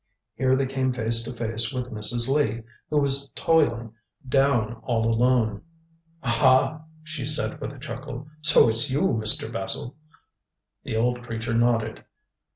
Here they came face to face with Mrs. Lee, who was toiling down all alone. "Ah!" she said, with a chuckle. "So it's you, Mr. Basil." The old creature nodded.